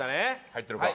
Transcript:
入ってるか？